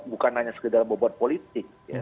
bukan hanya sekedar bobot politik